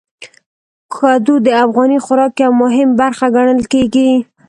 کدو د افغاني خوراک یو مهم برخه ګڼل کېږي.